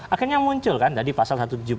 akhirnya muncul kan tadi pasal satu ratus tujuh puluh